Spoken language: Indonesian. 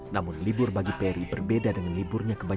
namun libur bagi perry berbeda dengan liburnya kemarin